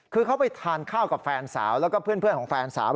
คือเขาไปทานข้าวกับแฟนสาวแล้วก็เพื่อนของแฟนสาว